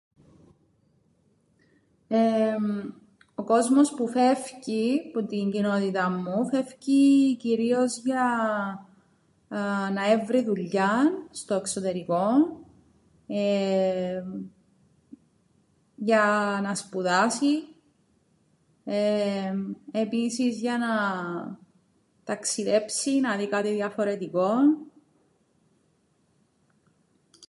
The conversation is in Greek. Ο κόσμος που φεύκει που την κοινότηταν μου φεύκει κυρίως για να έβρει δουλειάν στο εξωτερικόν, για να σπουδάσει, εεεμ επίσης για να ταξιδέψει να δει κάτι διαφορετικόν.